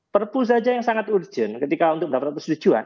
perpu saja yang sangat urgent ketika untuk mendapat persetujuan